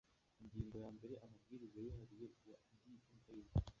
ingingo ya mbere amabwiriza yihariye ya dma